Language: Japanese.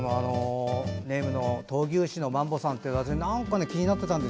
ネームの闘牛士のマンボさんってなんか気になってたんです。